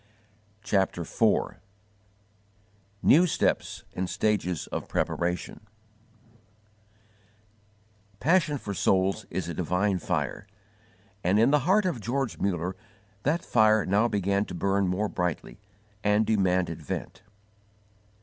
CHAPTER IV NEW STEPS AND STAGES OF PREPARATION PASSION for souls is a divine fire, and in the heart of George Muller that fire now began to burn more brightly, and demanded vent.